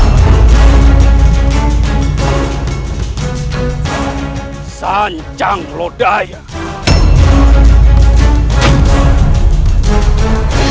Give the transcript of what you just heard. kau tidak akan mengatakan hal itu